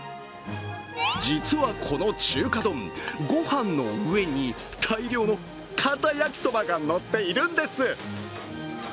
実はこの中華丼、ご飯の上に大量のカタ焼きそばがのっているんです。